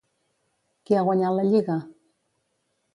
Qui ha guanyat la lliga?